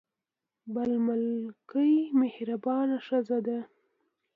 بل مکۍ مهربانه ښځه ده.